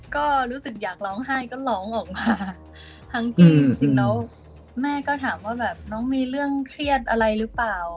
ก็รู้สึกอยากร้องไห้ก็ร้องออกมาทั้งที่จริงแล้วแม่ก็ถามว่าแบบน้องมีเรื่องเครียดอะไรหรือเปล่า